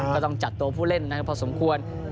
ก็ต้องจัดตัวผู้เล่นนะครับพอสมควร